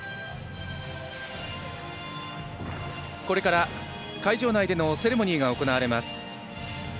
これから会場内でのセレモニーが行われます。